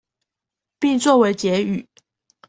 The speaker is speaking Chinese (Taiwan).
並做為結語